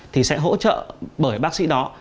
thì sẽ hỗ trợ bởi bác sĩ đó